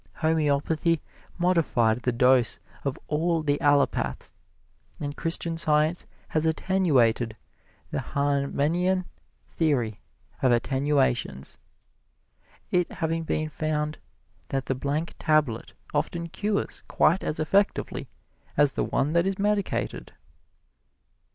Homeopathy modified the dose of all the Allopaths; and Christian Science has attenuated the Hahnemannian theory of attenuations, it having been found that the blank tablet often cures quite as effectively as the one that is medicated.